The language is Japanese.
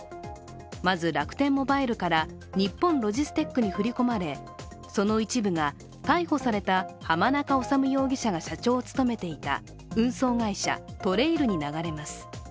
まず楽天モバイルから日本ロジステックに振り込まれ、その一部が逮捕された浜中治容疑者が社長を務めていた運送会社ＴＲＡＩＬに流れます。